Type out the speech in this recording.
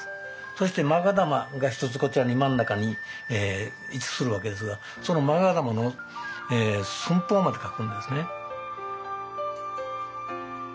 そしてまが玉が１つこちらに真ん中に位置するわけですがそのまが玉の寸法まで書くんですね。